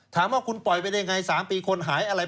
ถามว่าคุณปล่อยไปได้ไง๓ปีคนหายอะไร